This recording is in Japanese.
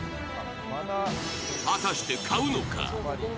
果たして買うのか？